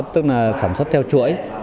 tức là sản xuất theo chuỗi